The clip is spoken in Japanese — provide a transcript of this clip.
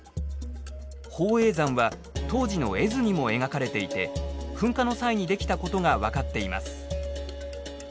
宝永山は当時の絵図にも描かれていて噴火の際にできたことが分かっています。